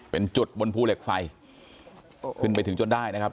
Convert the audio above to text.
เป็นจุดบนภูเหล็กไฟขึ้นไปถึงจนได้นะครับ